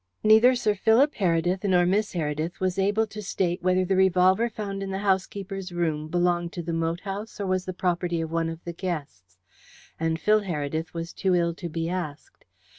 Neither Sir Philip Heredith nor Miss Heredith was able to state whether the revolver found in the housekeeper's room belonged to the moat house or was the property of one of the guests, and Phil Heredith was too ill to be asked.